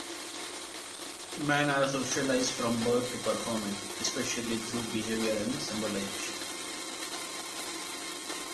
Men are socialized from birth to perform it, especially through behavior and symbolism.